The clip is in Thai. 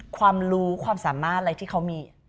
ความรู้ความสามารถอะไรที่เขามี